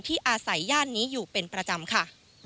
อาศัยย่านนี้อยู่เป็นประจำค่ะ